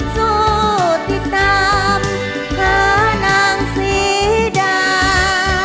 สู้ติดตามขนาดสีดา